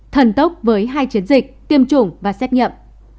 thần tốc với hai chiến dịch tiêm chủng và xét nghiệm